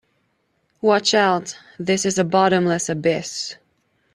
Watch out, this is a bottomless abyss!